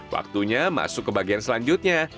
waktunya masuk ke bagian selanjutnya